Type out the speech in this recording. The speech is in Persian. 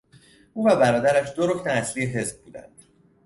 او و برادرش دو رکن اصلی حزب بودند.